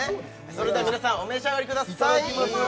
それでは皆さんお召し上がりくださいいただきます